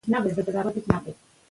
چاپیریال د انسان ژوند لپاره حیاتي دی.